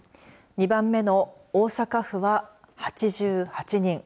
２番目の大阪府は８８人。